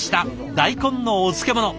大根のお漬物。